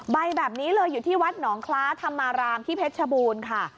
แบบนี้เลยอยู่ที่วัดหนองคล้าธรรมารามที่เพชรชบูรณ์ค่ะ